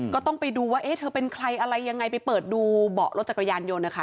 ก็ต้องไปดูว่าเอ๊ะเธอเป็นใครอะไรยังไงไปเปิดดูเบาะรถจักรยานยนต์นะคะ